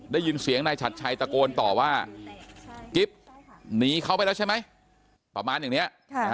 ได้ยินเสียงนายฉัดชัยตะโกนต่อว่ากิ๊บหนีเขาไปแล้วใช่ไหมประมาณอย่างนี้